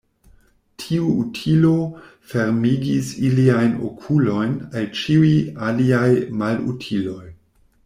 Tiu utilo fermigis iliajn okulojn al ĉiuj aliaj malutiloj.